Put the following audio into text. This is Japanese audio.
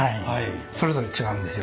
それぞれ違うんですよ。